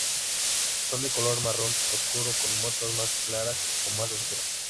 Son de color marrón oscuro con motas más claras o más oscuras.